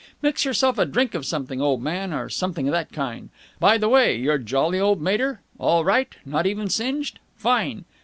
Mix yourself a drink of something, old man, or something of that kind. By the way, your jolly old mater. All right? Not even singed? Fine!